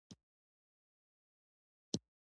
اخلاقي او کلتوري حقیقتونو ته د نن زمانې په خیاط.